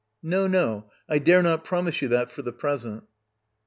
] No, no; I dare not promise Vou that, for the present.